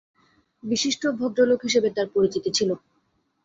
বিশিষ্ট ভদ্রলোক হিসেবে তাঁর পরিচিতি ছিল।